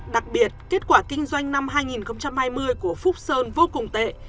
đặc biệt kết quả kinh doanh năm hai nghìn hai mươi của phúc sơn vô cùng tệ